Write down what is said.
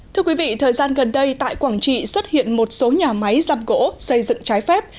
thưa quý vị thời gian gần đây tại quảng trị xuất hiện một số nhà máy giam gỗ xây dựng trái phép